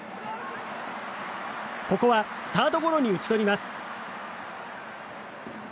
ここはサードゴロに打ち取ります。